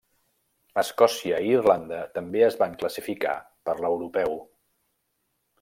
Escòcia i Irlanda també es van classificar per l'europeu.